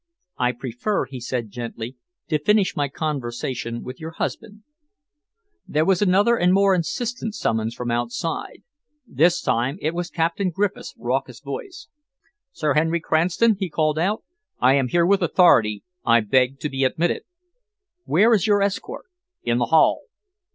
"I prefer," he said gently, "to finish my conversation with your husband."' There was another and more insistent summons from outside. This time it was Captain Griffiths' raucous voice. "Sir Henry Cranston," he called out, "I am here with authority. I beg to be admitted." "Where is your escort?" "In the hall."